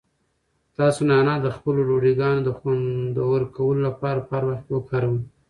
تاسو نعناع د خپلو ډوډۍګانو د خوندور کولو لپاره په هر وخت وکاروئ.